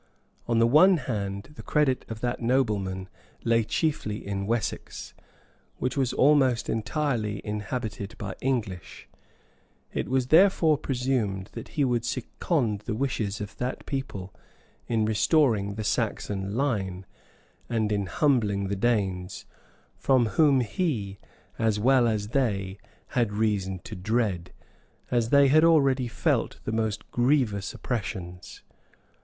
On the one hand, the credit of that nobleman lay chiefly in Wessex, which was almost entirely inhabited by English; it was therefore presumed that he would second the wishes of that people in restoring the Saxon line, and in humbling the Danes, from whom he, as well as they, had reason to dread, as they had already felt, the most grievous oppressions.